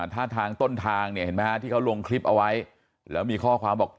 ท่าทางต้นทางเนี่ยเห็นไหมฮะที่เขาลงคลิปเอาไว้แล้วมีข้อความบอก